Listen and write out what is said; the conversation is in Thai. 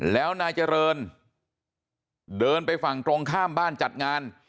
แล้วนายเจริญเดินไปฝั่งตรงข้ามบ้านจัดงาน